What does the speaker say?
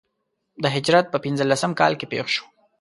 د هجرت په پنځه لسم کال کې پېښ شو.